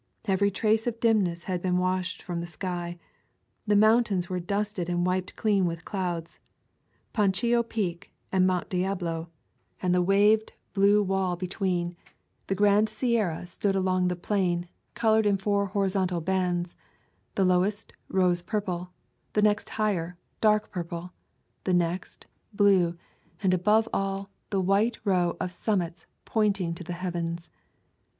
Every trace of dimness had been washed from the sky; the mountains were dusted and wiped clean with clouds — Pacheco Peak and Mount Diablo, and the waved blue { 211 ] A Thousand Mile Walk wall between; the grand Sierra stood along the plain, colored in four horizontal bands: — the lowest, rose purple; the next higher, dark purple; the next, blue; and, above all, the white row of summits pointing to the heavens.